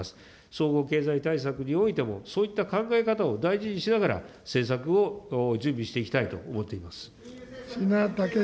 総合経済対策においても、そういった考え方を大事にしながら、政策を準備していきたいと思っています。